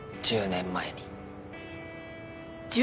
１０年前？